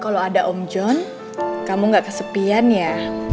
kalo ada om john kamu gak kesepian ya